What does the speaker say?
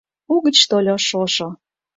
Угыч тольо шошо.